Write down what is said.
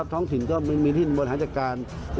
ท้องถิ่นก็มีที่บนหัศจรรย์การ